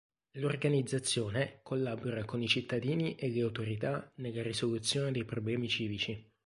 L'organizzazione collabora con i cittadini e le autorità nella risoluzione dei problemi civici.